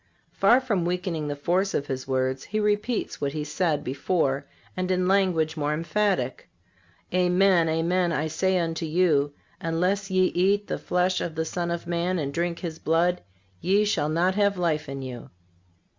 Far from weakening the force of His words He repeats what He said before, and in language more emphatic: "Amen, amen, I say unto you, Unless ye eat the flesh of the Son of man, and drink His blood, ye shall not have life in you."